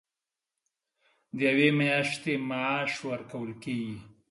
د یوې میاشتې معاش ورکول کېږي.